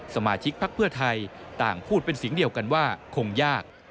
สมาชิกพักเพื่อไทยต่างพูดเป็นเสียงเดียวกันว่าคงยาก